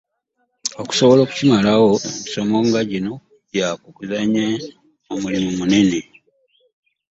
Okusobola okukimalawo ng'emisomo nga gino gya kuzannya omulimu munene.